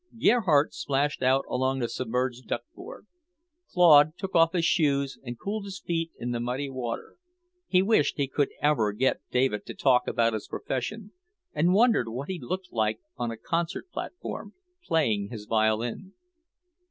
Gerhardt splashed out along the submerged duckboard. Claude took off his shoes and cooled his feet in the muddy water. He wished he could ever get David to talk about his profession, and wondered what he looked like on a concert platform, playing his violin.